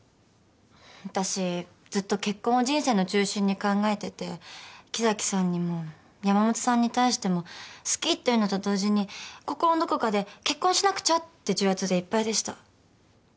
私ずっと結婚を人生の中心に考えてて木崎さんにも山本さんに対しても好きっていうのと同時に心のどこかで結婚しなくちゃって重圧でいっぱいでした。